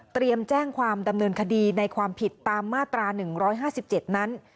แจ้งความดำเนินคดีในความผิดตามมาตรา๑๕๗นั้น